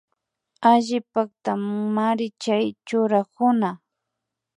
Alli paktamanri chay churakunaka